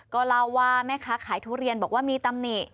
ก็เล่าว่าแม่ค้าขายทุเรียนบอกว่ามีตำหนิ